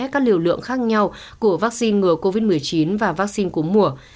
các liều lượng khác nhau của vaccine ngừa covid một mươi chín và vaccine cúm mùa